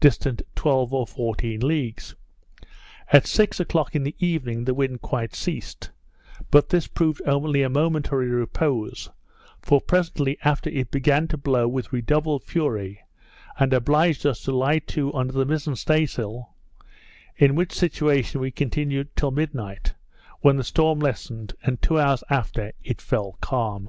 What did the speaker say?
distant twelve or fourteen leagues. At six o'clock in the evening the wind quite ceased; but this proved only a momentary repose; for presently after it began to blow with redoubled fury, and obliged us to lie to under the mizen stay sail; in which situation we continued till midnight, when the storm lessened; and two hours after it fell calm.